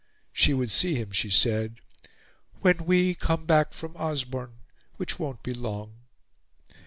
She would see him, she said, "when we, come back from Osborne, which won't be long."